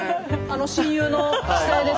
親友の久恵です。